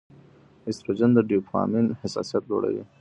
ایسټروجن د ډوپامین حساسیت لوړوي.